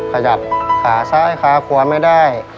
ขยับขาซ้ายขาขวาไม่ได้